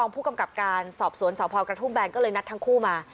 ผู้กำกรารศอบสวนสาวพอลกระทั้วแบงก็เลยนัดทั้งคู่มา